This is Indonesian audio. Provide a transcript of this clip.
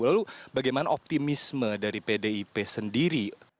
lalu bagaimana optimisme dari pdip sendiri